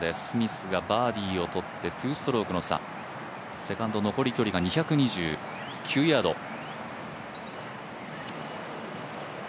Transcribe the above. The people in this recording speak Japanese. スミスがバーディーを取って２ストロークの差、セカンド残り距離が２２９ヤード。